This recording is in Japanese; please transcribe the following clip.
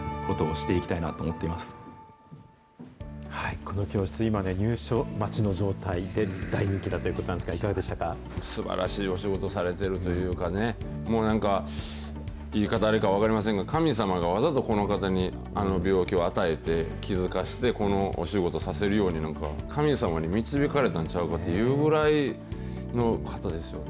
この教室、今ね、入所待ちの状態で、大人気だということなんですけど、すばらしいお仕事されてるというかね、もうなんか、言い方はいいか分かりませんが、神様がわざわざこの方にあの病気を与えて、気付かせて、このお仕事をさせるように、なんか、神様に導かれたんちゃうかっていうぐらいの方ですよね。